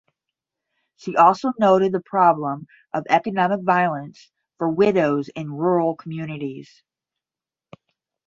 She also noted the problem of economic violence for widows in rural communities.